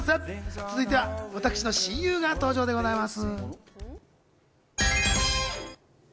続いては私の親友が登場でございます。